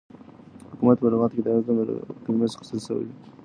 حكومت په لغت كې دحكم دكلمې څخه اخيستل سوی